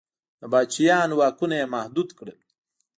د پاچاهانو واکونه یې محدود کړل.